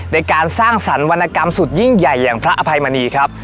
ในการสร้างสรรควรรณกรรมสุดยิ่งใหญ่อย่างพระอภัยมณีครับ